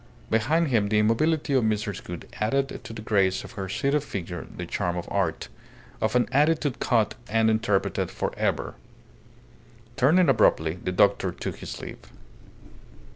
Behind him the immobility of Mrs. Gould added to the grace of her seated figure the charm of art, of an attitude caught and interpreted for ever. Turning abruptly, the doctor took his leave.